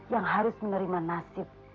yang harus menerima nasib